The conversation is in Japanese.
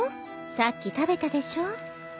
さっき食べたでしょう。